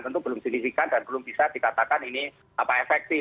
tentu belum signifikan dan belum bisa dikatakan ini efektif